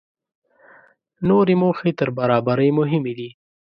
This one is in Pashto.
نورې موخې تر برابرۍ مهمې دي.